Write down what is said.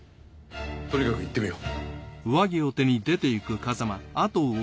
とにかく行ってみよう。